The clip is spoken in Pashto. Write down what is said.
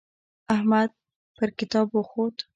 احمد پر کتاب وخوت.